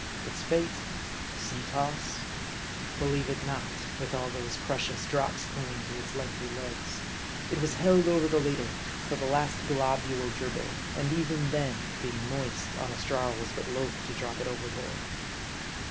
Its fate ? A sea toss ? Believe it not ; with all those precious drops clinging to its lengthy legs. It was held over the ladle till the last globule dribbled ; and even then, being moist, honest Jarl was but loth to drop it overboard.